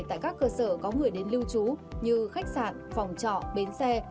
tại các cơ sở có người đến lưu trú như khách sạn phòng trọ bến xe